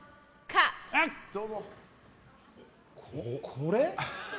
これ？